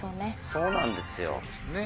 そうなんですよ。